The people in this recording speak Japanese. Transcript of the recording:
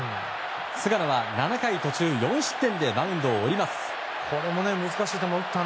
菅野は７回途中４失点でマウンドを降ります。